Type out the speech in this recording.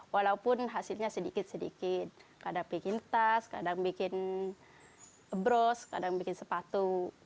walaupun hasilnya sedikit sedikit kadang bikin tas kadang bikin bros kadang bikin sepatu